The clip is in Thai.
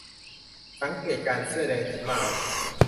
สังเกตการณ์เสื้อแดง ฉันมา